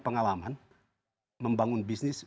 pengalaman membangun bisnis